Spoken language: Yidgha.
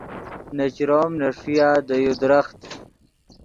نے چروم نے ݰویا دے یو درخت